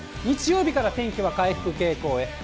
日曜日から天気は回復傾向へ。